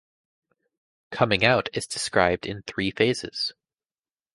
"Coming out" is described in three phases.